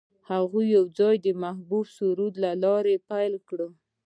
هغوی یوځای د محبوب سرود له لارې سفر پیل کړ.